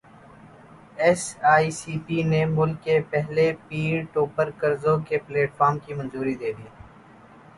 S E C P نے ملک کے پہلے پیر ٹو پیر قرضوں کے پلیٹ فارم کی منظوری دے دی